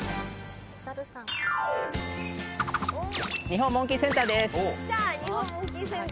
日本モンキーセンターです